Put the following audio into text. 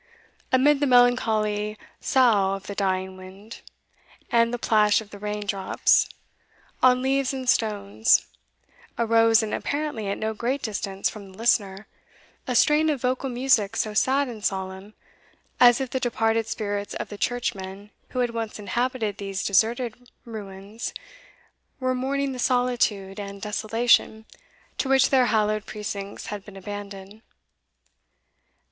Amid the melancholy sough of the dying wind, and the plash of the rain drops on leaves and stones, arose, and apparently at no great distance from the listener, a strain of vocal music so sad and solemn, as if the departed spirits of the churchmen who had once inhabited these deserted ruins were mourning the solitude and desolation to which their hallowed precincts had been abandoned.